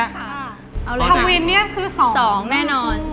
ควินเนี่ยคือ๒แน่นอน